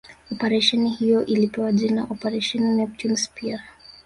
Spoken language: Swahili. Operesheni hiyo ilipewa jina Operation Neptune Spear